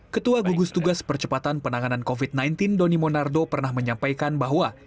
ketua gugus tugas percepatan penanganan covid sembilan belas doni monardo pernah menyampaikan bahwa